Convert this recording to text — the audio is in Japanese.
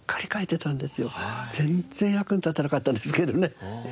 全然役に立たなかったんですけどね。